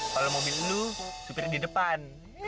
kalau mobil dulu supirnya di depan